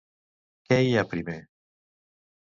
Què hi ha primer?